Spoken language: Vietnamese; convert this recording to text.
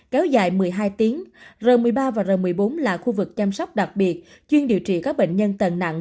kéo dài một mươi hai tiếng r một mươi ba và r một mươi bốn là khu vực chăm sóc đặc biệt chuyên điều trị các bệnh nhân tầng nặng